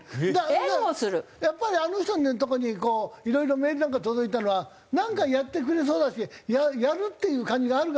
やっぱりあの人のとこにこういろいろメールなんか届いたのはなんかやってくれそうだしやるっていう感じがあるから。